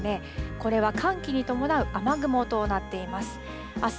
これは寒気に伴う雨雲となっています。